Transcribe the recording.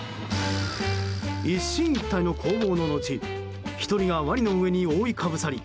一進一退の攻防の後１人がワニの上に覆いかぶさり